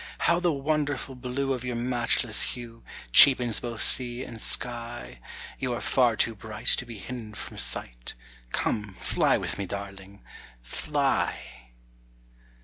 How the wonderful blue of your matchless hue, Cheapens both sea and sky You are far too bright to be hidden from sight, Come, fly with me, darling fly."